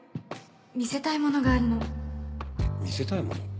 見せたいものがあ見せたいもの？